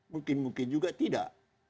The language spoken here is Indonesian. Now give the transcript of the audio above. mungkin mungkin juga tidak